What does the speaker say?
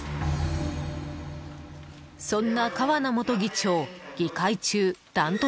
［そんな川名元議長議会中］